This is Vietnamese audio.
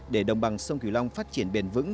để đồng bằng sông kiều long phát triển bền vững